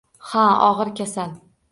Ha, og’ir kasal